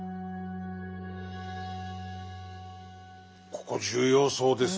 ここ重要そうですね。